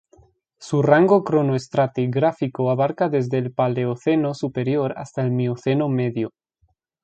Su rango cronoestratigráfico abarca desde el Paleoceno superior hasta el Mioceno medio.